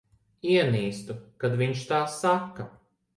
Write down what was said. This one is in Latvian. Ienīstu, kad viņš tā saka.